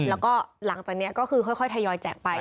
แล้วก็หลังจากนี้ก็คือค่อยทยอยแจกไป